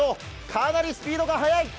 かなりスピードが速い。